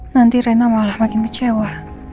nanti rena malah makin kecewa